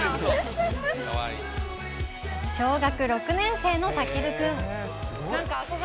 小学６年生のたける君。